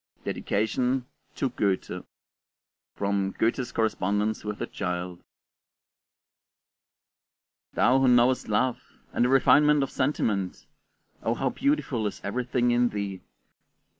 DEDICATION: TO GOETHE From 'Goethe's Correspondence with a Child' Thou, who knowest love, and the refinement of sentiment, oh how beautiful is everything in thee!